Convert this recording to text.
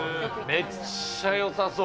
めっちゃよさそう。